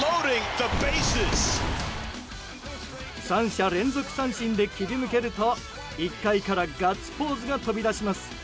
３者連続三振で切り抜けると１回からガッツポーズが飛び出します。